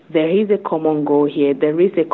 ada tujuan yang berbeda di sini